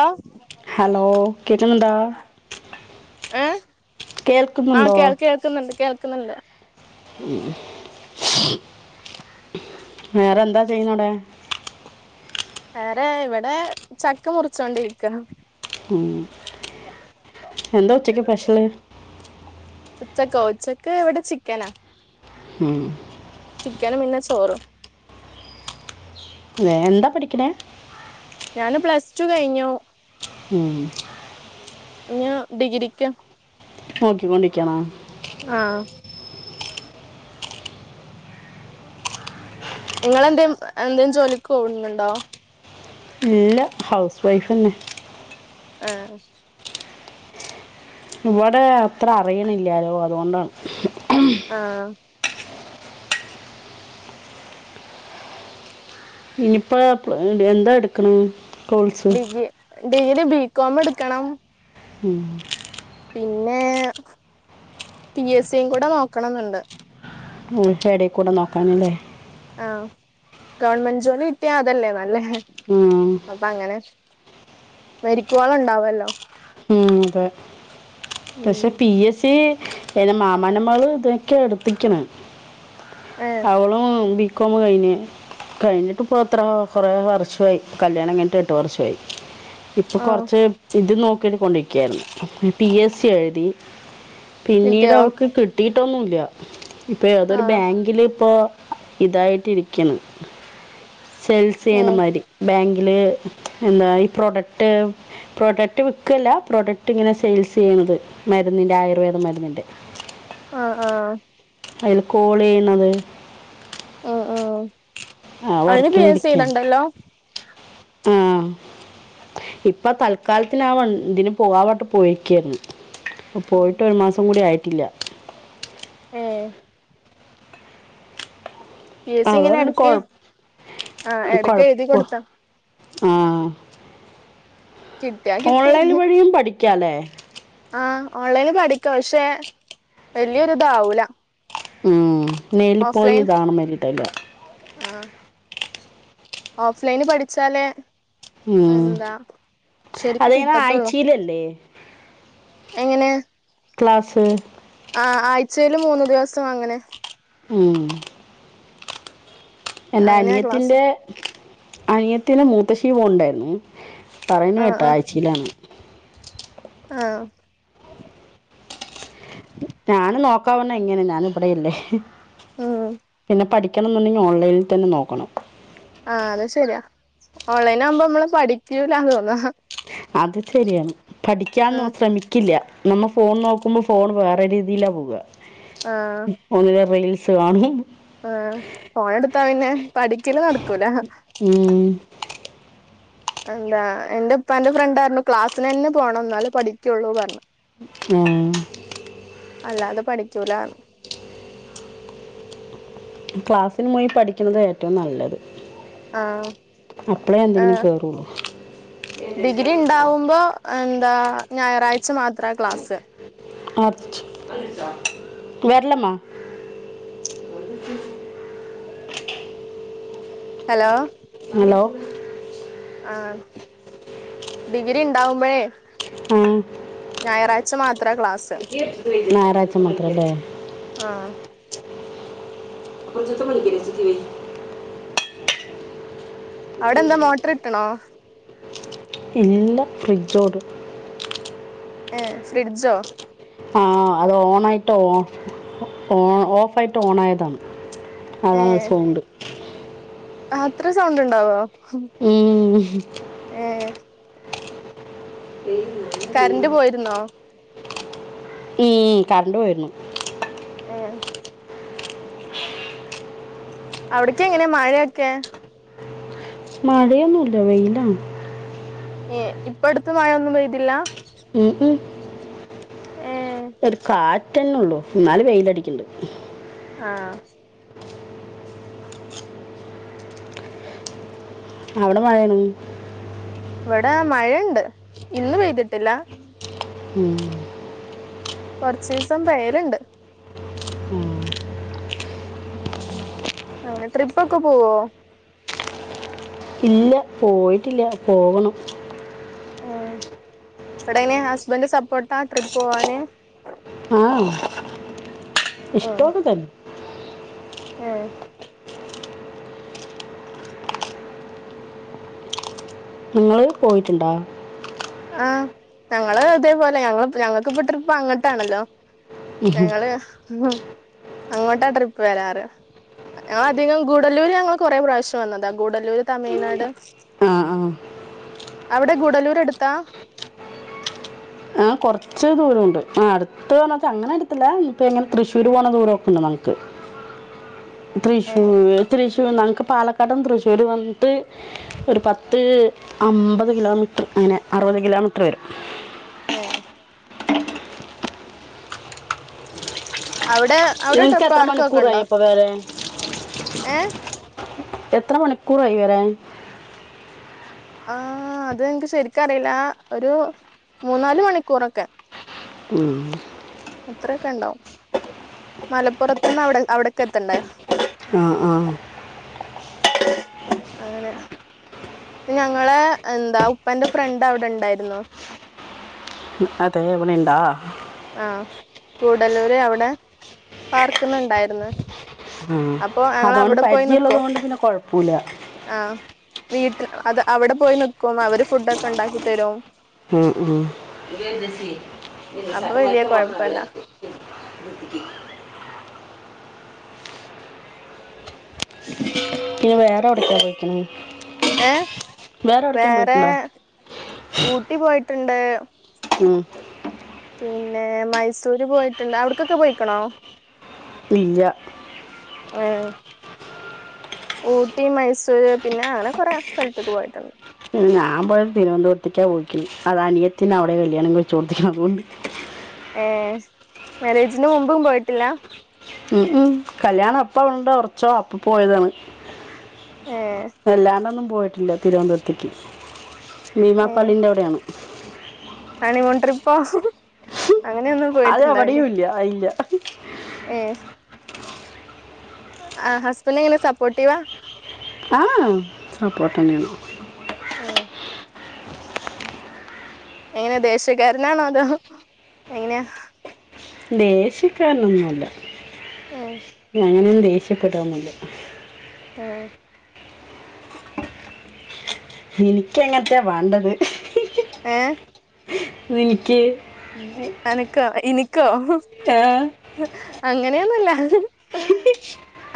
ആ ഹലോ കേക്കുന്നുണ്ടോ ഏ കേൾക്കുന്നുണ്ടോ നിക്കുന്നുണ്ട് വേറെ എന്താ ചെയ്യുന്നോട വേറെ ഇവിടെ ചക്ക് മുറിച്ചോണ്ടിരിക്കുന്നു ഉ എന്താ ഉച്ചക്ക് സ്പെഷ്യല് ഉച്ചക്കോ ഉച്ചക്ക് ഇവിടെ ചിക്കനാ ഉം ചിക്കന് പിന്നെ ചോറും എന്താ പഠിക്കണേ ഞാന് പ്ലസ് ടു കഴിഞ്ഞു ഉം ഞാ ഡിഗ്രക്ക് നോക്കിക്കൊണ്ടിരിക്കണാ ആഹ നിങ്ങെന്തേ എന്തേും ജോലിക്ക് ടുന്നുണ്ടോ ഇല്ല ഹൗസ് വൈഫ്ന്നെ ആഹ ഇവിടെ അത്ര അറിയണില്ലാലോ അതുകൊണ്ടാണ് ആഹ ഇനിയിപ്പ എന്താ എടുക്കണ കൊൾസ ഡിഗ്രി ഡിഗ്രി ബികോം എടുക്കണം ഉം പിന്നെ പി എസ് സീം കൂട നോക്കണന്നുണ്ട് ഉം ച്ചേ ആഹ് ഗവൺമെന്റ് ജോലി കിട്ടിയ അത് ഉം അപ്പ അങ്ങനെ മരിക്കുവോളം ഉൺ ഉം തെ എന്റ മാമന്റ മോള് എന്തൊക്കയാ എടുത്താകുന്ന ഏ അവളും ക്കോമ് കയിഞ്ഞ് ഇപ്പൊ ആ കൊറച്ച് ഇത് നോ കിളി കൊണ്ടോയ് ഉം പി എസ് സി എഴുതി പിന്നീട് കിട്ടിയോ അവർക്ക് കിട്ടിട്ട് ട്ടൊന്നുല്ല ഇപ്പം ഏതൊരു ആ ബാങ്കില് ഇപ്പോ ഇതായിട്ടിരിക്കണം സെയിൽസ് ഏ ചെയ്യണ മതിരി ബാങ്ക് ല് എന്താ ഈ പ്രൊഡക്ട് പ്രൊഡക്ട് വിക്കല്ല പ്രോഡക്റ്റ് ഇങ്ങനെ സെയിൽസ് ചെയ്യണത് മരുന്നിൻ്റെ ആയുർവേദ മരുന്നിൻ്റെ ആഹ് ആഹ് അതില് കോള് ചെയ്യണത് ഉം ഉം ആ അതിന് പി എസ് സി എയ്തണ്ടല്ലോ? ആഹ് ഇപ്പ തൽക്കാലത്തിന് ആ വൺ ഇതിന് പോവാ പറഞ്ഞിട്ട് പോയിരിക്കേര്ന്ന് പ്പ പോയിട്ട് ഒരു മാസം കൂടി ആയിട്ട ഇല്ല ഏഹ് പി എസ് സി അവള് ഇങ്ങനെ പറയണ എടക്ക് കുഴപ്പ ആഹ് എടക്ക് എഴുതി കൊടുത്താ ആഹ് കിട്ടിയാ കിട്ടി ഓൺലൈൻ വഴിയും പഠി യ്ക്കാ ല്ലേ ആഹ് ഓൺലൈനി പഠിക്ക പക്ഷെ വല്യൊരിതാവൂല ഉം മേൽലിപ്പോയി ഇതാണ് മരിട്ടാ ആഹ് ഓഫ്ലൈന് പഠിച്ചാലേ ഉം എന്താ ശരിക്ക് അതെങ്ങനെ കിട്ടത്തുള്ളൂ ആഴ്ചയിലല്ലേ? എങ്ങനെ ക്ലാസ് ആ ആഴ്ചയില് മൂന്നു ദിവസം അങ്ങനെ ഉം എന്റെ അങ്ങനെയാ ക്ലാസ് അനിയത്തിന്റെ അനി യത്തിന് മൂത്തശീ പോണുണ്ടായിരുന്നു പറയുണു ആ കേട്ടോ ആ ആഴ്ചയിലാണ് ആ ഞാന് നോക്കാവന്ന ങ്ങനെ ഞാൻ ഇവിടെയ ല്ലേ ഉം പിന്നെ പഠി ക്കണം എന്നുണ്ടെങ്കിൽ ഓൺലൈനിൽ തന്നെ നോക്കണം ആഹ് അത് ശെരിയാ ഓൺലൈൻ ആകുമ്പോ നമ്മള് പഠിക്കൂലാ ന്ന് തോന്ന അത് ശ്രരിയാണ് പഠിക്കാന്നോ ശ്രമിക്കില്ല നമ്മ ഫോൺ നോക്കുമ്പോൾ ഫോൺ വേറെ രീതിയിലാണ് പോക ഒന്ന് റെയിൽ സുഗാണ് ആഹ ഫോണെടുത്തപ്പിന്നെ പഠിക്കല് നടക്കൂല ഉം എന്താ എന്റെ ഉപ്പാന്റെ ഫ്രണ്ടായിരുന്നു ക്ലാസ്സിനെന്നെ പോണം എന്നാലേ പഠിക്കുള്ളു പറഞ്ഞു ആ അല്ലാ ത് പഠിക്കൂല ക്ലാസ്സിന് പോയി പഠിക്കുന്നത് ഏറ്റവും നല്ലത് ആഹ അപ്പളേ എന്തെങ്കിലും ആഹ് കേറുള്ളൂ ഡിഗ്രി ണ്ടാവുമ്പോ എന്താ ഞായറാഴ്ച മാത്ര ക്ലാസ് [inaudible] വരലമ്മ ഹലോ ഹലോ ആഹ് ഡിഗ്രി ഉണ്ടാവുമ്പായെ ആഹ് ഞായാഴ്ച മാത്രം [inaudible] നാരജ സമത്രല്ലേ ആ [inaudible] അവിടെ എന്താ മോട്ടർ ഇട്ടണോ ഇല്ല ഫ്രിഡ്ജോട് ഏ ഫ്രിഡ്ജോ ആ അത് ഓണായിട്ട് ഓ ഓ ഓഫ് ആയിട്ട് ഓൺ ആയതാണ് അതാണ് ഏഹ് സൗണ്ട് അത്ര സൗണ്ട് ണ്ടാവോ ഏ കരണ്ട് പോയിരുന്നോ ഉം കറണ്ട് പോയിരുന്നു ആ അവിടൊക്കെങ്ങനെ മഴയൊക്കെ മഴയൊന്നുല്ല വെയിലാ ഏ ഇപ്പടുത്ത് മഴയൊന്നും പെയ്തില്ല ഉം ഉം. ഏ ഒരു കാറ്റ് റ്റന്നുള്ളൂ ന്നാലും വെയിലടിക്കിണ്ട് ആ അവടെ മഴേണോ ഇവടെ മഴണ്ട് ഇന്ന് പെയ്തിട്ടില്ല ഉം കൊറച്ചീസം പെയ്യലുണ്ട് ഉം അങ്ങനെ ട്രിപ്പൊക്കെ പോവോ ഇല്ല്യ പോയിട്ടില്ല്യ പോവണം ഉം അവിടെങ്ങന്യാ ഹസ്ബൻഡ് സപ്പോർട്ടാ ട്രിപ്പ് പോവാന് ആ ഇഷ്ടൊക്കെ തന്നെ ഏ നിങ്ങള് പോയിട്ട്ണ്ടാ ആ ഞങ്ങള് ഇതേപോലെ ഞങ്ങള് ഞങ്ങക്കിപ്പ ട്രിപ്പങ്ങട്ടാണല്ലോ ഉം. ഞങ്ങള് അങ്ങോട്ടാ ട്രിപ്പ് വരാറ് ഞങ്ങളധികം ഗൂഡല്ലൂര് ഞങ്ങള് കൊറേ പ്രാവശ്യം വന്നതാ ഗൂഡല്ലൂര് തമിയ്നാട് ആ ആ അവിടെ ഗൂഡല്ലൂരടുത് ത്താ ആഹ് കൊറച്ച് ദൂരോണ്ട് ആഹ് അടുത്ത് പറഞ്ഞാച്ചാ അങ്ങനടുത്തല്ലാ ഇപ്പെങ്ങനെ തൃശ്ശൂര് പോണ ദൂരോക്ക്ണ്ട് നമുക്ക് ഏ തൃശ്ശൂര് തൃശ് നങ്ങ്ക്ക് പാലക്കാട്ട്ന്ന് തൃശ്ശൂര് വന്നിട്ട് ഒരു പത്ത് അമ്പത് കിലോമീറ്റർ അങ്ങനെ അറുപത് കിലോമീറ്റർ വരും ഏഹ് അവിടെ അവിടെ നിങ്ങ്ക്ക് എത്ര മണിക്കൂറാ ഇപ്പൊ വരെ ഏഹ് എത്ര മണിക്കൂറായി വരാൻ ആഹ് അതെൻക്ക് ശരിക്കറിയില്ലാ ഒരു മൂന്നാല് മണിക്കൂറൊക്കെ ഉം അത്രയൊക്കെണ്ടോ മലപ്പൊറത്തിന്നവിടെ അവിടെക്കെത്തണ്ടേ ആ ആ അങ്ങനെ ഞങ്ങളെ എന്താ ഉപ്പാൻ്റെ ഫ്രണ്ടവിടെണ്ടായിരുന്നു അതേ ഇവടിണ്ടാ ആഹ് ഗൂഡല്ലൂര് അവിടെ പാർക്കുന്നുണ്ടായിര്ന്ന് ആഹ് അതുകൊണ്ട് പരിചയിള്ളത് കൊണ്ട് പിന്നെ കൊഴപ്പൂല്ല ആഹ് വീട്ടിൽ അത് അവിടെ പോയി നിക്കും അവര് ഫുഡ് ഒക്കെ ഉണ്ടാക്കി തരും ഉം ഉം അപ്പൊ വലിയ ഇട്ടട്ട നല്ല കുഴപ്പല്ല [unintelligible] പിന്നെ വേറെ എവിടത്തെ പോയിക്കണ ഏഹ വേറെ പോയിട്ടുണ്ടോ ഊട്ടി പോയിട്ട് ട്ടിണ്ട് ഉം പിന്നെ മൈസൂര് പോയിട്ടുണ്ട് അവിടക്കൊക്കെ പോയിക്കണോ ഇല്ല ആഹ ഊട്ടി മൈസൂര് പിന്നെ അങ്ങനെ കൊറെ സ്ഥലത്തേക്ക് പോയിട്ടുണ്ട് ഞാമ്പോഴ തിരുവനന്തപുരത്തക്കാ പോയിക്കണം അത് അനിയത്തിന് അവിടെ കല്യാണം കഴിച്ചച്ച് കൊടുത്തിക്കണ അതുകൊണ്ട് ഏ മാരേജിന് മുമ്പും പോയിട്ടില്ല ഉ കല്യാണം അപ്പാ ഉണ്ടോ ഉറച്ചോ അപ്പ പോയതാണ് ഏ എല്ലാണ്ടൊന്നും പോയിട്ടില്ല തിരുവനന്തപുരത്തേക്ക് ഏ ഭീമാപ്പള്ളിന്റെ അവിടെയാണ് ഹണിമൂൺ ട്രിപ്പോ അങ്ങനെയൊന്നും അത് പോയിട്ടുണ്ടാവില്ലേ അവിടെയും ഇല്ല ഇല്ല ഉ [inaudible] ഏ ആ് ഹസ്ബൻ ങ്ങന സപ്പോർട്ടീവാ ആ സപ്പോർട്ട് തന്നെ ആണ് ആഹ എങ്ങനെ ദേശ്യകാരനാണോ അതോ എങ്ങനെയാ ദേഷ്യക്കാരനൊന്നുമല്ല അങ്ങനെ എന്ത ഷാപ്പെടാന്നുല്ല ആഹ എനിക്ക അങ്ങനത്തെയാ വേണ്ടത് ഏ എനിക്ക് അനക്കോ ഇനിക്കോ ആ, അങ്ങനെയൊന്നുമല്ല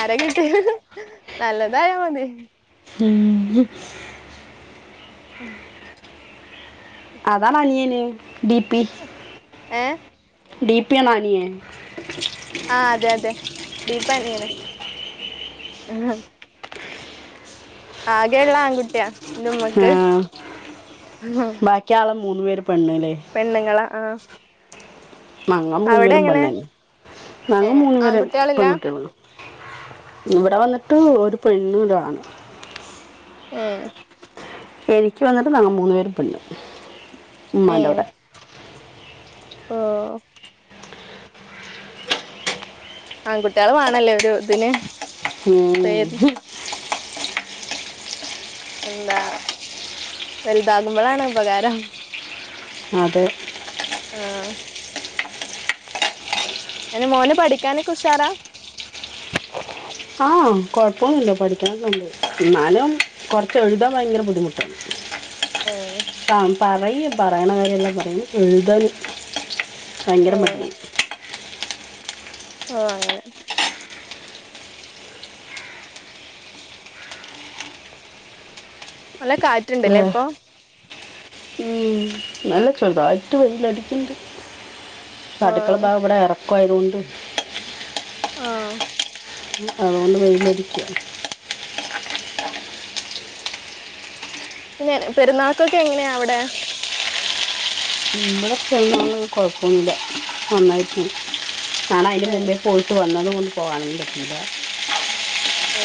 ആരെ കിട്ടിയാലും നല്ലതായ മതി ഉം ആഹ അതാ അനിയന് ഡി പി ഏ ഡിപിയണോ അനിയൻ ഡി പി അനിയനാ ആകെള്ള ആൺകുട്ടിയ ആഹ ബാക്കി ആള മൂന്ന് പേര് പെണ്ണല്ലേ പെണ്ണുങ്ങളാ ആഹ ഞങ്ങഗ മൂന്ന് പേരും എങ്ങനെ പെണ്ണന്നെ ഞങ്ങ ഏഹ് മൂന്ന് പേര് ആൺകുട്ടികളില്ല പെൺകുട്ടികൾ ഇവിടെ വന്നിട്ട് ഒരു പെണ്ണും ഒരാണും ഏ എനിക്ക് വന്നിട്ട് ഞങ്ങ മൂന്നു പേര് പെണ്ണ് ഉമ്മാന്റെ അവിടെ ഓ ആൺ കുട്ടികള് വേണല്ലേ ഒരു ഇതിന് പേര് മ് എന്താ വലുതാകുമ്പോളാണ് ഉപകാരം അതെ ആഹ എങ്ങനെ മോന് പഠിക്കാനൊക്കെ ഉഷാറാ ആഹ കൊഴപ്പൊന്നുമില്ല പഠിക്കണക്കുണ്ട് എന്നാലും കുറച്ച് എഴുതാൻ ഭയങ്കര ബുദ്ധിമുട്ടാണ് ഏ ആ പറയണ കാര്യങ്ങളൊക്കെ അറിയും എഴുതാൻ ഭയങ്കര മടിയ ഓ അങ്ങനെ നല്ല കാറ്റുണ്ടല്ലേ ഉം. ഇപ്പൊ ഇന്നലെ ചെറുതായിട്ട് വെയിലടിക്കിണ്ട് അടുക്കള ആഹ് ഭാഗം ഇവിടെ ഇ കൊയവുണ്ട് ആഹ അതുകൊണ്ട് വെയിലടിക്കും പിന്നെ പെരുന്നാൾക്കൊക്കെ എങ്ങനെയാ അവിടെ ഇവിടെക്കെ എന്നൊന്നും കുഴപ്പൊന്നില്ല നന്നായിട്ടിണ്ട് ഞാണെ അതിന് ഏഹ് മുമ്പേ പോയിട്ട് വന്നതും ഒന്ന് പോവാതെ നിൽക്കില്ല ഏ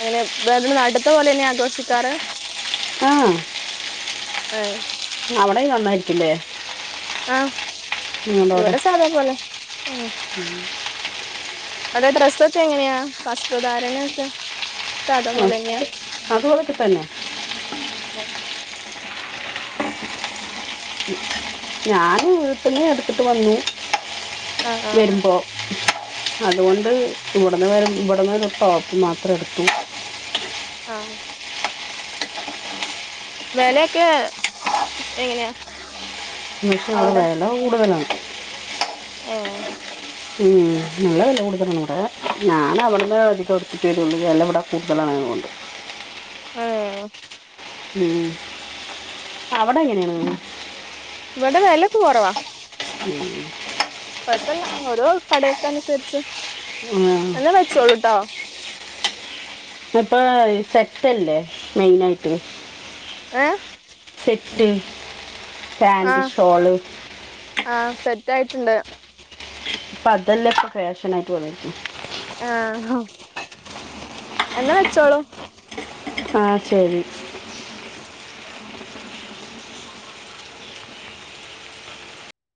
അങ്ങനെ വേദന നാട്ടിത്തെ പോലെന്നെയാ ആഘോഷിക്കാറ് ആ ആഹ അവിടെയും നന്നായിരിക്കില്ലേ ആഹ ഇവിടെ സാധാ പോലെ ഉം അവിടെ ഡ്രസ്സൊക്കെ എങ്ങനെയാ വസ്ത്രധാരണയൊക്കെ സാധാ പോലെ തന്നെയാ അതുപോലെ ഒക്കെ തന്നെ [inaudible] ഞാൻ വീട്ടിൽനിന്നു എടുത്തിട്ട് വന്നു ആഹ് ആഹ് വരുമ്പോൾ അതുകൊണ്ട് ഇവിടന്ന് വരുമ്പോൾ ഇവിടന്ന് ഒരു ടോപ്പ് മാത്രം എടുത്തു ആഹ വിലയൊക്കെ എങ്ങനെയാ പക്ഷെ ഇവിടെ വില കൂടുതലാണ് ആഹ നല്ല വില കൂടുതലാണ് ഇവിടെ ഞാൻ അവിടുന്ന് അധികം എടുത്തിട്ട് വരുള്ളൂ വില ഇവിടെ കൂടുതലാണ് അതുകൊണ്ട് ഏഹ് ഉം അവിടെ എങ്ങനെയാണ് ഇവിടെ വിലക്കെ കുറവാ ഉം കുഴപ്പമില്ല ഓരോ കടകൾക്ക് അനുസരിച്ച് ഉം. എന്നാ വെച്ചോളുട്ടോ ഇപ്പൊ സെറ്റല്ലേ മെയിൻ ആയിട്ട് ഹേ സെറ്റ് പാന്റ് ഷോൾ ആഹ സെറ്റ് ആയിട്ടുണ്ട് ഇപ്പൊ അതൊക്കെയല്ലേ ഫാഷൻ ആയിട്ട് വന്നിരിക്കുന്നത് ആഹ ഹ എന്നാ വെച്ചോളൂ ആഹ ശരി